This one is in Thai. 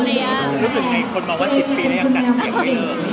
รู้สึกไงคนบอกว่า๑๐ปีแล้วอย่างดัดแสงไม่เริ่ม